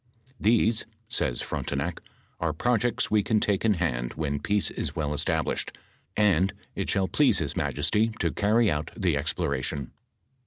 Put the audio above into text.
"These," says Frontenac, "are projects we can take in hand when peace is well established, and it shall please his majesty to carry out the exploration."